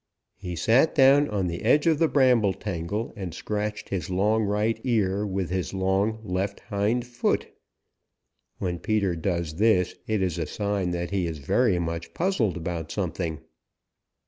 He sat down on the edge of the bramble tangle and scratched his long right ear with his long left hind foot. When Peter does this it is a sign that he is very much puzzled about something.